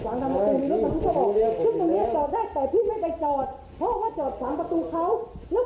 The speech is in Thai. เอาติดไปสั่งเขาก็เข้าไปจอดพี่ของค่อยมาล๊อปแต่คุณไม่คิดจะช่วยลองอ่ะ